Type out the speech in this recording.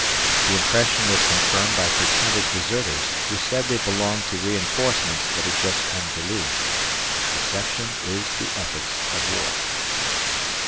The impression was confirmed by pretended deserters, who said they belonged to reinforcements that had just come to Lee. Deception is the ethics of war.